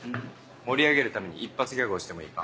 盛り上げるために一発ギャグをしてもいいか？